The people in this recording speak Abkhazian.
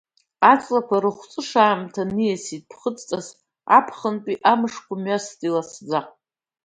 Аҵлақәа рыхәҵыш аамҭа ниасит ԥхыӡҵас, аԥхынтәи амшқәа мҩасит иласӡа.